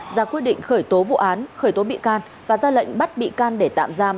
ra quyết định khởi tố vụ án khởi tố bị can và ra lệnh bắt bị can để tạm giam